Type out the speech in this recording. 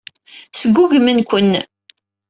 Sgugmen-ken.